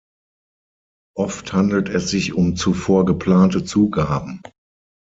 Oft handelt es sich um zuvor geplante Zugaben.